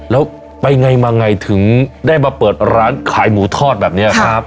แล้วไปไงมาไงถึงได้มาเปิดร้านขายหมูทอดแบบนี้ครับ